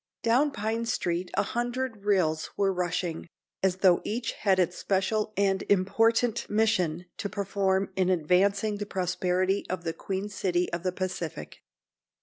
Down Pine Street a hundred rills were rushing, as though each had its special and important mission to perform in advancing the prosperity of the queen city of the Pacific.